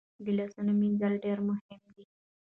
د لاسونو مینځل ډیر مهم دي۔